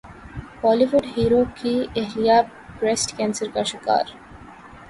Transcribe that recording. بولی would hero کی اہلیہ بریسٹ کینسر کا شکار